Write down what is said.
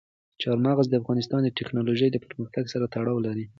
چار مغز د افغانستان د تکنالوژۍ له پرمختګ سره تړاو لري.